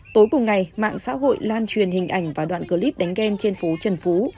tối cùng ngày mạng xã hội lan truyền hình ảnh và đoạn clip đánh ghen trên phố trần phú